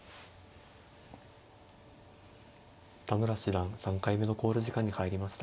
田村七段３回目の考慮時間に入りました。